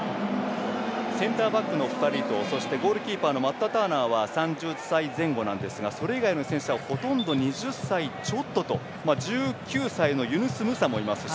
センターバックの２人とゴールキーパーのマット・ターナーは３０歳前後なんですがそれ以外の選手はほとんど２０歳ちょっと１９歳のユヌス・ムサもいます。